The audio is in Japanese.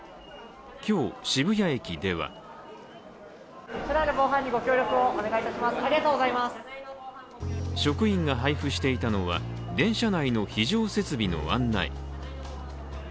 今日、渋谷駅では職員が配布していたのは電車内の非常設備の案内。